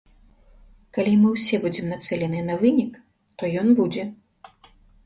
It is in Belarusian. Калі мы ўсе будзем нацэленыя на вынік, то ён будзе.